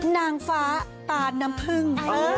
นางฟ้าตาน้ำผึ้ง